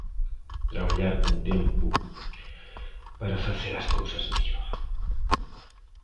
"Traballar con tempo para facer as cousas mellor".